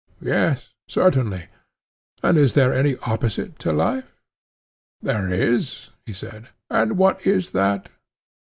Yes, certainly. And is there any opposite to life? There is, he said. And what is that?